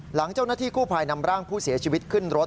หลังเจ้าหน้าที่กู้ภัยนำร่างผู้เสียชีวิตขึ้นรถ